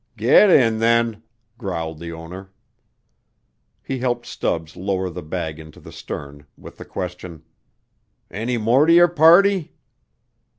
"Get in, then," growled the owner. He helped Stubbs lower the bag into the stern, with the question, "Any more to your party?"